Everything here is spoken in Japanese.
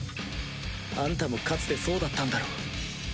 アンタもかつてそうだったんだろう？